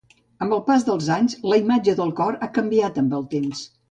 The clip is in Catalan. Amb el pas dels anys, la imatge del cor ha canviat amb el temps.